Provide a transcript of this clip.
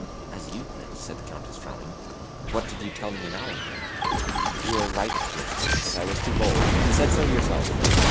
"As you, Prince?" said the Countess, frowning, "what did you tell me an hour ago?" "You are right, dear Countess, I was too bold. You said so yourself.